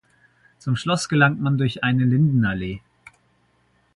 Zum Schloss gelangt man durch eine Lindenallee.